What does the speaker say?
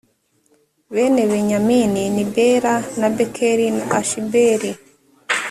bene benyamini ni bela na bekeri na ashibeli